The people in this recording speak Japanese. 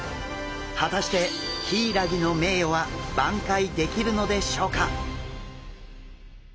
果たしてヒイラギの名誉は挽回できるのでしょうか？